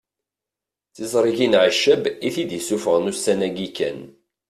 D tiẓrigin Ɛeccab i t-id-isuffɣen ussan-agi kan